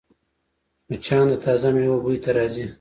مچان د تازه میوو بوی ته راځي